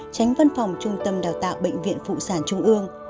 tránh văn phòng trung tâm đào tạo bệnh viện phụ sản trung ương